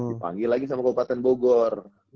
dipanggil lagi sama kabupaten bogor